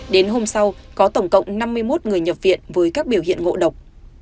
đến hôm sau có tổng cộng năm mươi một người nhập viện với các biểu hiện ngộ độc